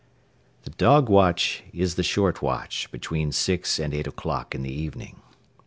The dog watch is the short watch between six and eight o'clock in the evening.